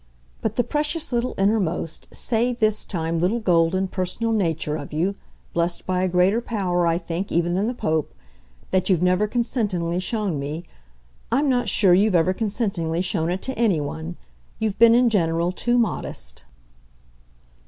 "But the precious little innermost, say this time little golden, personal nature of you blest by a greater power, I think, even than the Pope that you've never consentingly shown me. I'm not sure you've ever consentingly shown it to anyone. You've been in general too modest."